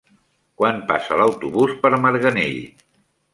Quan passa l'autobús per Marganell?